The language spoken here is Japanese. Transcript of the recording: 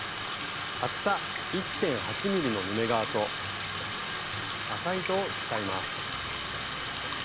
厚さ１．８ｍｍのヌメ革と麻糸を使います。